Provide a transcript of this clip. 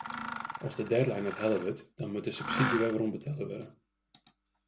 As de deadline net helle wurdt dan moat de subsydzje werombetelle wurde.